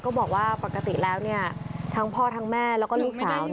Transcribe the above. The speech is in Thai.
บอกว่าปกติแล้วทั้งพ่อทั้งแม่แล้วก็ลูกสาว